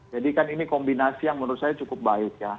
jadi kan ini kombinasi yang menurut saya cukup baik ya